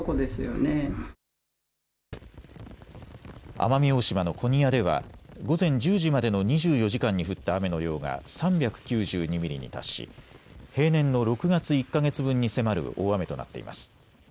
奄美大島の古仁屋では午前１０時までの２４時間に降った雨の量が３９２ミリに達し平年の６月１か月分に迫る大雨となっています。